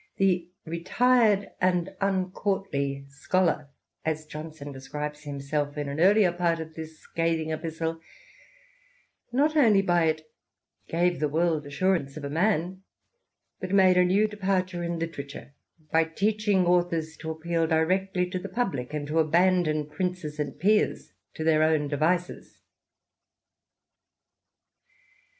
The "retired and uncourtly scholar,'' as Johnson describes himself in an earlier part of this scathing epistle, not only by it " gave the world assurance of a man," but made a new departure in INTROD UCTION. xlx literature, by teaching authors to appeal directly to the public, and to abandon princes and peers to their own devices.